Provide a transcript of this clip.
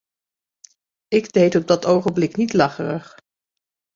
Ik deed op dat ogenblik niet lacherig.